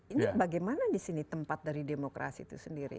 ini bagaimana di sini tempat dari demokrasi itu sendiri